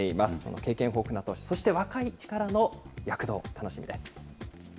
経験豊富な人、そして若い力の躍動、楽しみです。